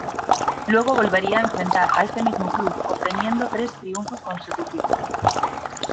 Luego volvería a enfrentar a este mismo club obteniendo tres triunfos consecutivos.